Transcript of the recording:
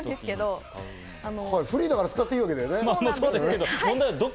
フリーだから使っていいんだよね。